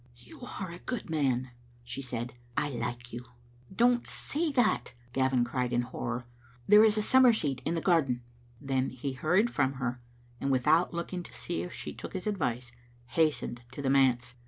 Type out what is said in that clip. "You are a good man," she said; " I like you." "Don't say that," Gavin cried in horror. "There is a summer seat in the garden." Then he hurried from her, and without looking to see if she took his advice, hastened to the manse.